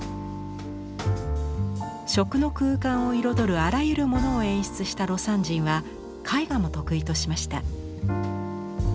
食の空間を彩るあらゆるものを演出した魯山人は絵画も得意としました。